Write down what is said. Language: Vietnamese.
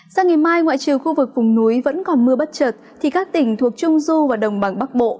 sang ngày mai ngoại trừ khu vực vùng núi vẫn còn mưa bất trợt thì các tỉnh thuộc trung du và đồng bằng bắc bộ